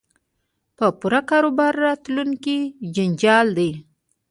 په پور کاروبار راتلونکی جنجال دی